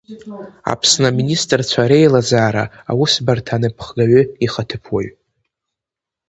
Аԥсны аминистрцәа Реилазаара Аусбарҭа анаԥхгаҩы ихаҭыԥуаҩ…